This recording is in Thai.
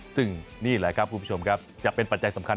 ซึ่งนี่แหละครับจะเป็นปัจจัยสำคัญ